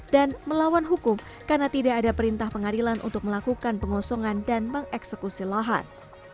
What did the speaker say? dan melawan hukum karena tidak ada perintah pengadilan untuk melakukan pengosongan dan mengeksekusi lahan